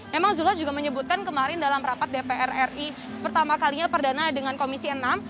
memang zula juga menyebutkan kemarin dalam rapat dpr ri pertama kalinya perdana dengan komisi enam